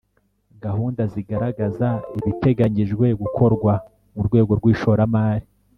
gahunda zigaragaza ibiteganyijwe gukorwa mu rwego rw'ishoramali,